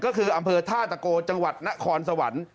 ก็คืออำเภอท่าตะโกจังหวัดนครสวรรค์